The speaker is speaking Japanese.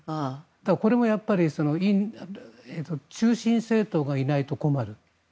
これも中心政党がいないと困る。